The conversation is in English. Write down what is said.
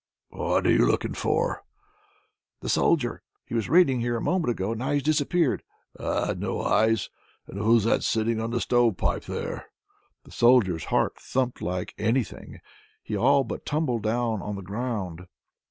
"What are you looking for?" "The Soldier. He was reading here a moment ago, and now he's disappeared." "Ah! no eyes! And who's that sitting on the stove pipe there?" The Soldier's heart thumped like anything; he all but tumbled down on the ground!